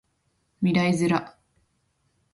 未来ズラ